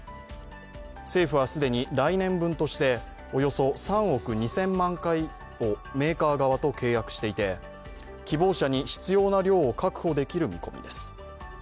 政府は既に来年分として、およそ３億２０００万回をメーカー側と契約していて希望者に必要な量を確保できる見込みです。